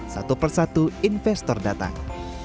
satu persatu investor datang